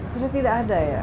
sudah tidak ada ya